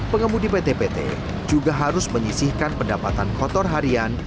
pengemudi pt pt juga harus menyisihkan pendapatan kotor harian